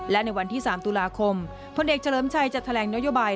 และในวันที่๓ตุลาคมพลเอกเฉลิมชัยจะแถลงนโยบาย